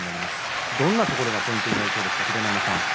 どんなところがポイントになりそうですか？